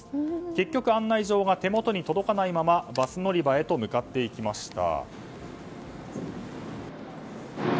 結局、案内状が手元に届かないままバス乗り場へと向かっていきました。